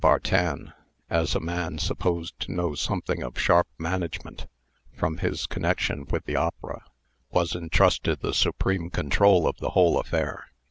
Bartin, as a man supposed to know something of sharp management, from his connection with the opera, was intrusted the supreme control of the whole affair.